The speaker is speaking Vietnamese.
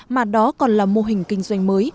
mà đó còn là mô hình kinh doanh mới